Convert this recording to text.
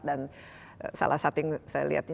dan salah satu yang saya lihat